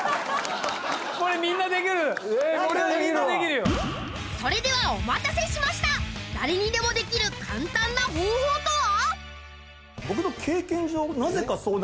これみんなできるこれはみんなできるよそれではお待たせしました誰にでもできる簡単な方法とは？